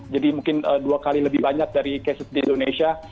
jadi mungkin dua kali lebih banyak dari cases di indonesia